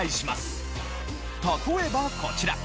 例えばこちら。